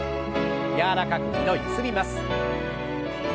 柔らかく２度ゆすります。